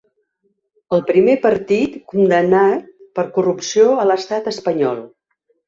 El primer partit condemnat per corrupció a l’estat espanyol.